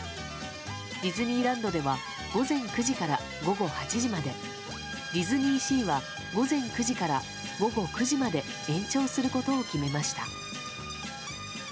ディズニーランドでは午前９時から午後８時までディズニーシーは午前９時から午後９時まで延長することを決めました。